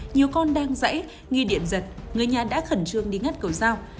nhiều con đang dãy nghi điện giật người nhà đã khẩn trương đi ngắt cầu giao